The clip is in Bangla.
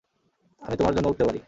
আমি তোমার জন্য উড়তে পারি।